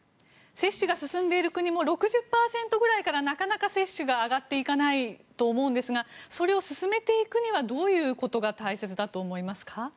接種が進んでいる国も６０％ぐらいからなかなか接種が上がっていかないと思うんですがそれを進めていくにはどういうことが大切だと思いますか？